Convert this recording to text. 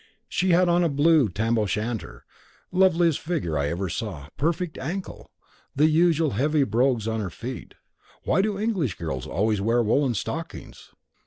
She had on a blue tam o' shanter. Loveliest figure I ever saw, perfect ankle, but the usual heavy brogues on her feet. Why do English girls always wear woollen stockings?